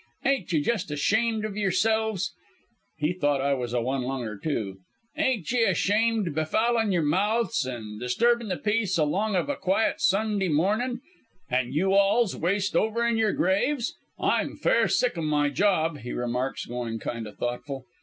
Ain't ye just ashamed o' yourselves ?' (he thought I was a one lunger, too); 'ain't ye ashamed befoulin' your mouths, and disturbin' the peace along of a quiet Sunday mornin', an' you alls waist over in your graves? I'm fair sick o' my job,' he remarks, goin' kind o' thoughtful.